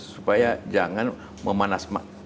supaya jangan memanas